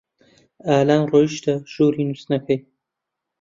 ئالان ڕۆیشتە ژووری نووستنەکەی.